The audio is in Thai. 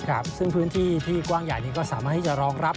ครับซึ่งพื้นที่ที่กว้างใหญ่นี้ก็สามารถที่จะรองรับ